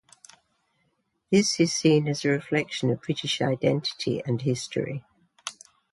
This is seen as a reflection of British identity and history.